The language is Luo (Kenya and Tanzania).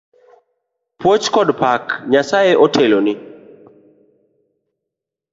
Puoch kod pak, Nyasaye oseteloni.